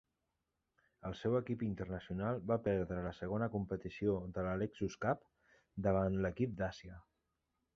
El seu equip internacional va perdre la segona competició de la Lexus Cup davant l'equip d'Àsia.